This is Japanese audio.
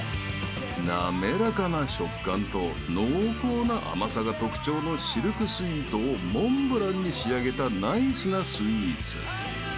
［滑らかな食感と濃厚な甘さが特徴のシルクスイートをモンブランに仕上げたナイスなスイーツ］